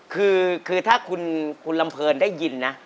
คือถ้าคุณลำเพลินได้ยินนะ